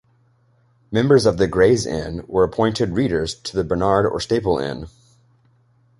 Members of the Gray's Inn were appointed readers to the Barnard or Staple Inn.